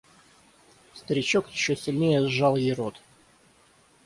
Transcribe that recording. Старичок еще сильнее сжал ей рот.